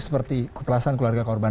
seperti kepelasan keluarga korban